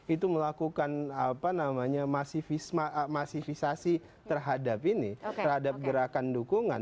itu melakukan apa namanya masifisasi terhadap ini terhadap gerakan dukungan